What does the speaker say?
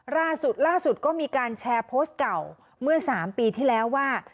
ล่าสุดล่าสุดก็มีการแชร์โพสต์เก่าเมื่อ๓ปีที่แล้วว่า